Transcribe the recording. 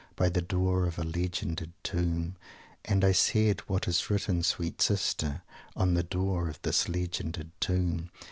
By the door of a Legended Tomb, And I said: 'What is written, sweet sister, On the door of this legended Tomb?'